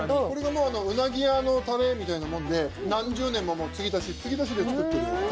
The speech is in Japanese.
これがもううなぎ屋のタレみたいなもんで何十年も継ぎ足し継ぎ足しで作ってる。